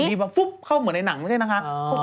อยู่ดีแบบฟุ๊บเข้าเหมือนในหนังไม่ใช่นะคะ